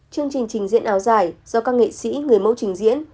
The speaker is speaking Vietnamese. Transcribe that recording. chương trình trình diễn áo dài do các nghệ sĩ người mẫu trình diễn